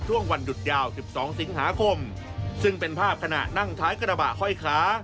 วันหยุดยาว๑๒สิงหาคมซึ่งเป็นภาพขณะนั่งท้ายกระบะห้อยขา